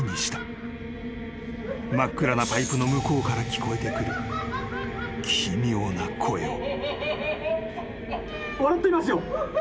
［真っ暗なパイプの向こうから聞こえてくる奇妙な声を］